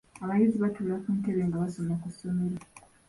Abayizi batuula ku ntebe nga basoma ku ssomero.